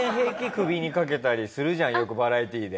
首にかけたりするじゃんよくバラエティーで。